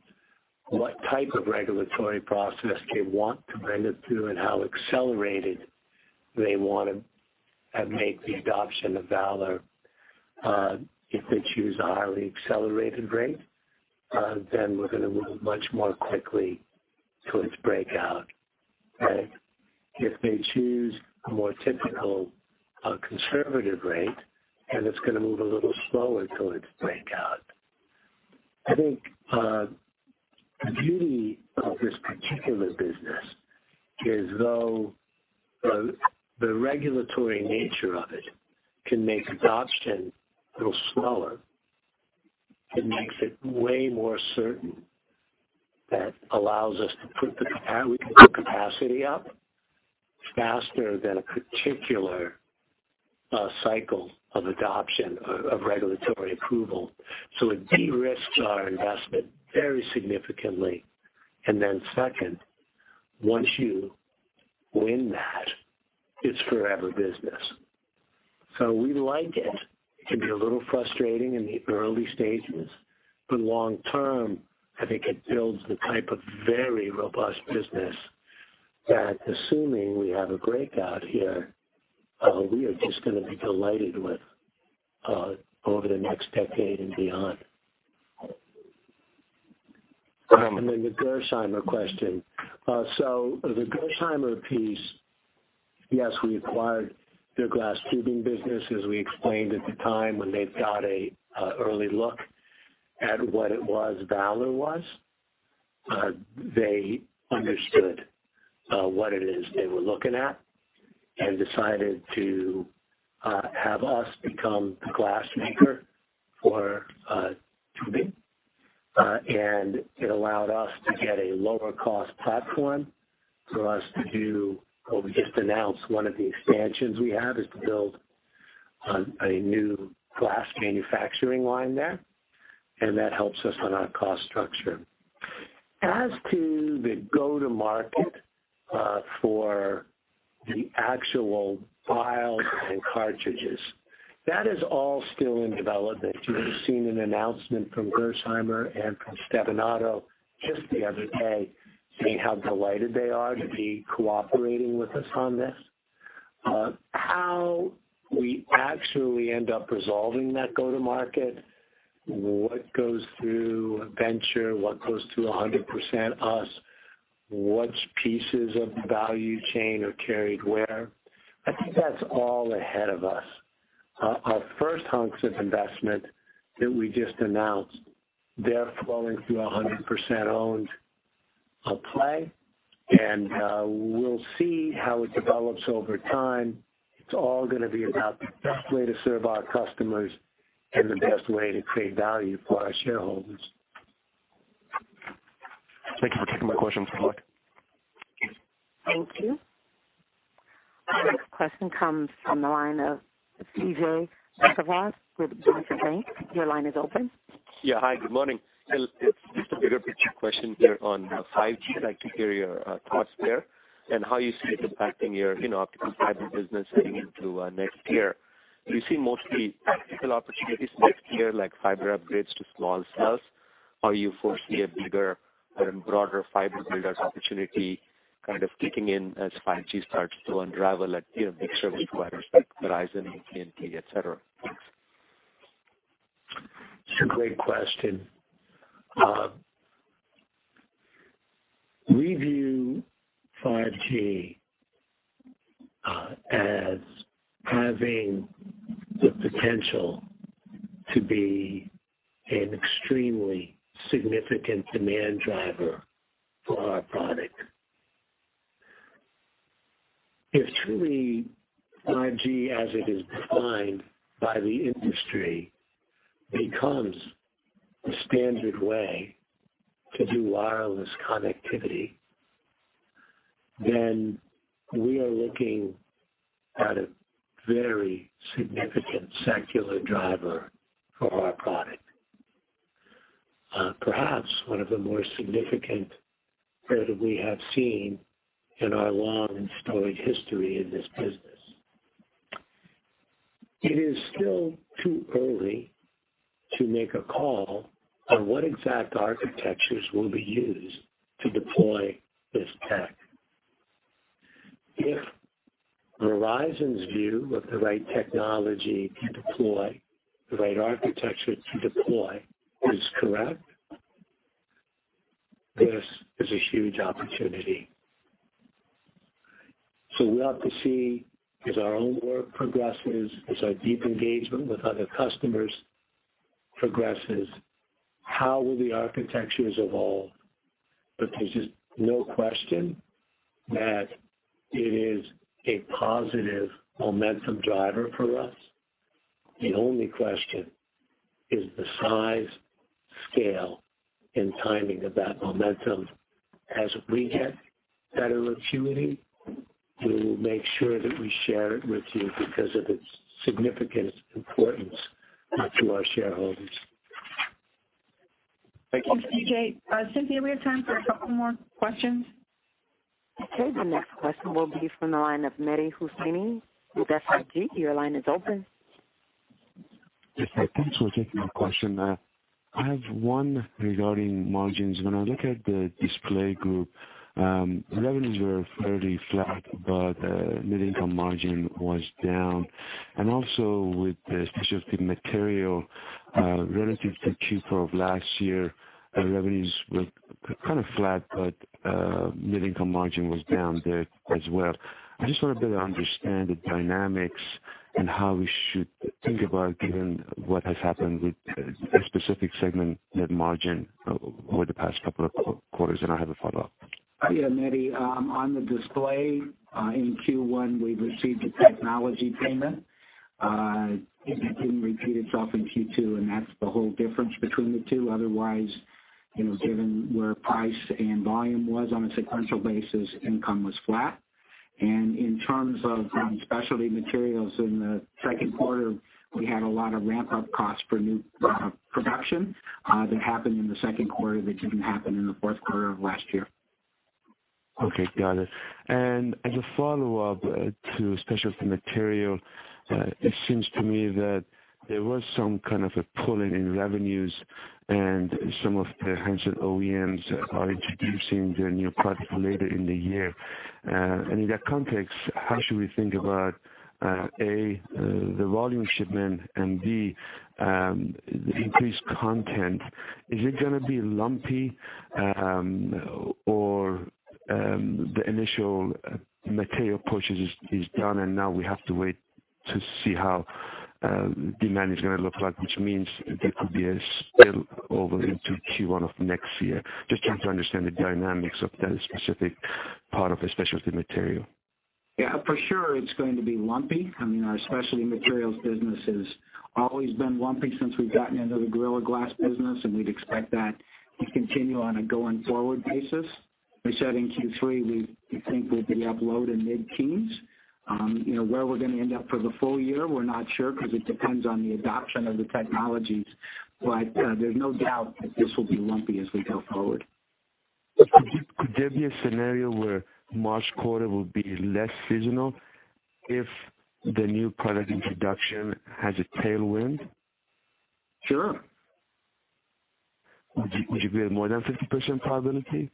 what type of regulatory process they want to render through and how accelerated they want to make the adoption of Valor. If they choose a highly accelerated rate, we're going to move much more quickly to its breakout. If they choose a more typical, conservative rate, it's going to move a little slower to its breakout. I think the beauty of this particular business is though the regulatory nature of it can make adoption a little slower, it makes it way more certain that allows us to put the capacity up faster than a particular cycle of adoption of regulatory approval. It de-risks our investment very significantly. Second, once you win that, it's forever business. We like it. It can be a little frustrating in the early stages, but long-term, I think it builds the type of very robust business that assuming we have a breakout here, we are just going to be delighted with over the next decade and beyond. Go ahead. The Gerresheimer question. The Gerresheimer piece, yes, we acquired their glass tubing business. As we explained at the time, when they got an early look at what Valor was, they understood what it is they were looking at, and decided to have us become the glass maker for tubing, and it allowed us to get a lower cost platform for us to do what we just announced. One of the expansions we have is to build a new glass manufacturing line there, and that helps us on our cost structure. As to the go-to-market for the actual vials and cartridges, that is all still in development. You've seen an announcement from Gerresheimer and from Stevanato just the other day, saying how delighted they are to be cooperating with us on this. How we actually end up resolving that go-to-market, what goes through a venture, what goes to 100% us, which pieces of the value chain are carried where, I think that's all ahead of us. Our first hunks of investment that we just announced, they're flowing through 100% owned play. We'll see how it develops over time. It's all going to be about the best way to serve our customers and the best way to create value for our shareholders. Thank you for taking my questions. Good luck. Thank you. Our next question comes from the line of Vijay Bhagavath with Deutsche Bank. Your line is open. Yeah. Hi, good morning. Wendell, just a bigger picture question here on 5G. I'd like to hear your thoughts there and how you see it impacting your optical fiber business heading into next year. You foresee a bigger and broader fiber builders opportunity kind of kicking in as 5G starts to unravel at big service providers like Verizon, AT&T, et cetera? It's a great question. We view 5G as having the potential to be an extremely significant demand driver for our product. If truly 5G as it is defined by the industry becomes the standard way to do wireless connectivity, we are looking at a very significant secular driver for our product. Perhaps one of the more significant that we have seen in our long and storied history in this business. It is still too early to make a call on what exact architectures will be used to deploy this tech. If Verizon's view of the right technology to deploy, the right architecture to deploy, is correct, this is a huge opportunity. We'll have to see, as our own work progresses, as our deep engagement with other customers progresses, how will the architectures evolve. There's just no question that it is a positive momentum driver for us. The only question is the size, scale, and timing of that momentum. As we get better acuity, we will make sure that we share it with you because of its significant importance to our shareholders. Thank you. Thanks, Vijay. Cynthia, we have time for a couple more questions. Okay, the next question will be from the line of Mehdi Hosseini with SIG. Your line is open. Yes, thanks, take my question. I have one regarding margins. When I look at the Display Technologies group, revenues were fairly flat, but net income margin was down. Also with the Specialty Materials, relative to Q4 of last year, revenues were kind of flat, but net income margin was down there as well. I just want to better understand the dynamics and how we should think about, given what has happened with a specific segment net margin over the past couple of quarters. I have a follow-up. Yeah, Mehdi, on the Display Technologies, in Q1, we received a technology payment. That didn't repeat itself in Q2, and that's the whole difference between the two. Otherwise, given where price and volume was on a sequential basis, income was flat. In terms of Specialty Materials in the second quarter, we had a lot of ramp-up costs for new production that happened in the second quarter that didn't happen in the fourth quarter of last year. Okay, got it. As a follow-up to Specialty Materials, it seems to me that there was some kind of a pull-in in revenues and some of the handset OEMs are introducing their new product later in the year. In that context, how should we think about, A, the volume shipment, and B, the increased content? Is it going to be lumpy? Or the initial material purchase is done and now we have to wait to see how demand is going to look like, which means there could be a spill over into Q1 of next year. Just trying to understand the dynamics of that specific part of the Specialty Materials. Yeah, for sure it's going to be lumpy. Our Specialty Materials business has always been lumpy since we've gotten into the Gorilla Glass business, and we'd expect that to continue on a going-forward basis. We said in Q3, we think we'll be up low to mid-teens. Where we're going to end up for the full year, we're not sure because it depends on the adoption of the technologies. There's no doubt that this will be lumpy as we go forward. Could there be a scenario where March quarter will be less seasonal if the new product introduction has a tailwind? Sure. Would you give it more than 50% probability?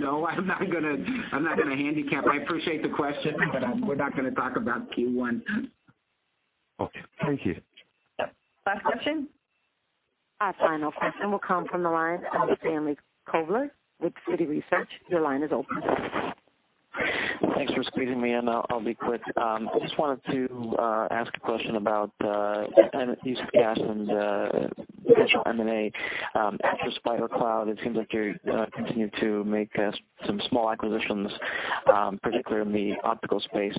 No, I'm not going to handicap. I appreciate the question, but we're not going to talk about Q1. Okay. Thank you. Yep. Last question. Our final question will come from the line of Stanley Kovler with Citi Research. Your line is open. Thanks for squeezing me in. I'll be quick. I just wanted to ask a question about the use of cash and potential M&A. After SpiderCloud, it seems like you're continuing to make some small acquisitions, particularly in the optical space.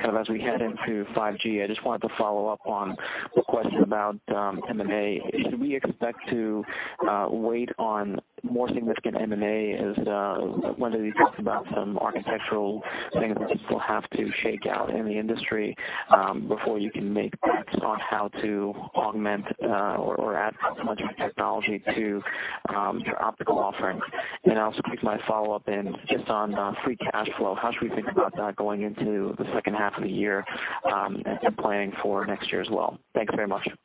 As we head into 5G, I just wanted to follow up on a question about M&A. Should we expect to wait on more significant M&A as Wendell, you talked about some architectural things that still have to shake out in the industry, before you can make bets on how to augment or add complementary technology to your optical offerings. I'll just squeeze my follow-up in just on free cash flow. How should we think about that going into the second half of the year and planning for next year as well? Thank you very much. Why don't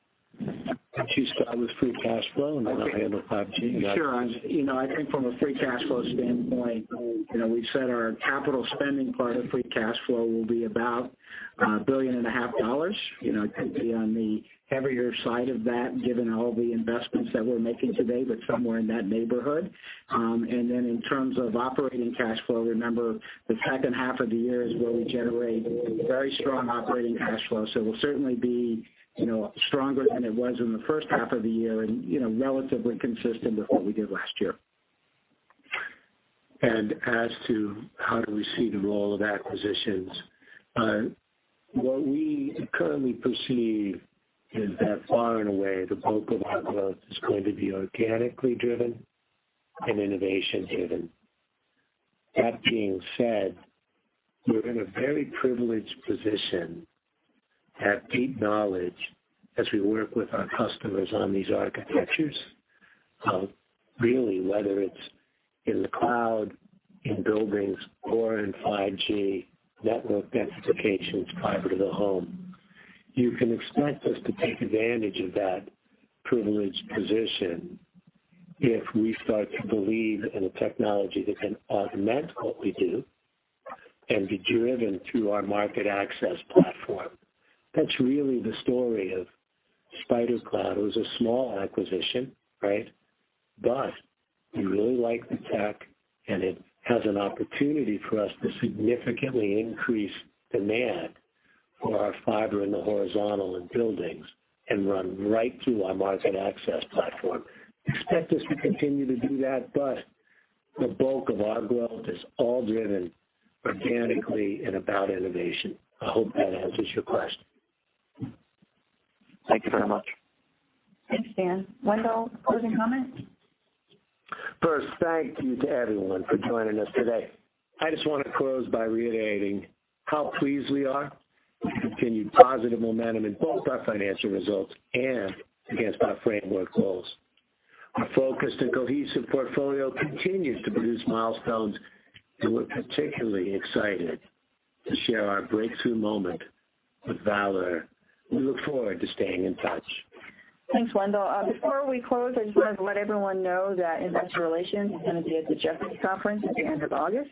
you start with free cash flow, and then I'll handle 5G and M&A. Sure. I think from a free cash flow standpoint, we've said our capital spending part of free cash flow will be about $1.5 billion. It could be on the heavier side of that, given all the investments that we're making today, but somewhere in that neighborhood. In terms of operating cash flow, remember, the second half of the year is where we generate very strong operating cash flow. We'll certainly be stronger than it was in the first half of the year and relatively consistent with what we did last year. As to how do we see the role of acquisitions, what we currently perceive is that far and away, the bulk of our growth is going to be organically driven and innovation driven. That being said, we're in a very privileged position to have deep knowledge as we work with our customers on these architectures, really whether it's in the cloud, in buildings, core and 5G, network densifications, fiber-to-the-home. You can expect us to take advantage of that privileged position if we start to believe in a technology that can augment what we do and be driven through our market access platform. That's really the story of SpiderCloud. It was a small acquisition, right? We really like the tech, and it has an opportunity for us to significantly increase demand for our fiber in the horizontal and buildings, and run right to our market access platform. Expect us to continue to do that, but the bulk of our growth is all driven organically and about innovation. I hope that answers your question. Thank you very much. Thanks, Stan. Wendell, closing comments? First, thank you to everyone for joining us today. I just want to close by reiterating how pleased we are with the continued positive momentum in both our financial results and against our framework goals. Our focused and cohesive portfolio continues to produce milestones, and we're particularly excited to share our breakthrough moment with Valor. We look forward to staying in touch. Thanks, Wendell. Before we close, I just want to let everyone know that investor relations is going to be at the Jefferies conference at the end of August,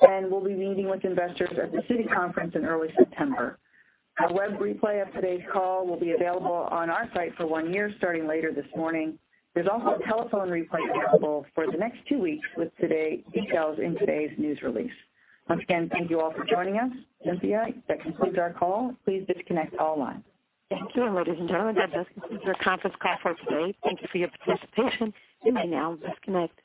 and we'll be meeting with investors at the Citi conference in early September. A web replay of today's call will be available on our site for one year, starting later this morning. There's also a telephone replay available for the next two weeks with details in today's news release. Once again, thank you all for joining us. Cynthia, that concludes our call. Please disconnect all lines. Thank you, ladies and gentlemen. That concludes your conference call for today. Thank you for your participation. You may now disconnect.